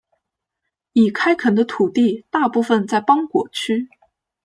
已开垦的土地大部分在邦果区。